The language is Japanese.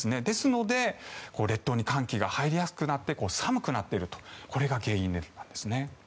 ですので、列島に寒気が入りやすくなって寒くなっているのが原因なんです。